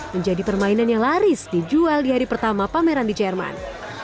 menjadi permainan yang laris dijual di hari pertama pameran di jerman